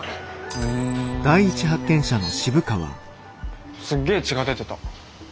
うんすっげえ血が出てた。